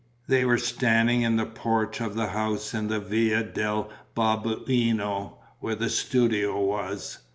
They were standing in the porch of the house in the Via del Babuino where the studio was.